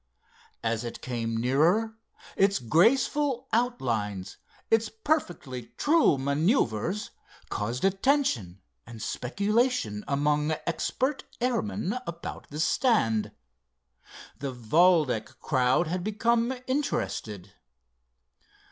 As it came nearer its graceful outlines, its perfectly true maneuvers, caused attention and speculation among expert airmen about the stand. The Valdec crowd had become interested.